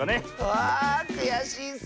あくやしいッス！